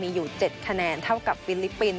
มีอยู่๗คะแนนเท่ากับฟิลิปปินส